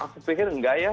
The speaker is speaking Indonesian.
aku pikir nggak ya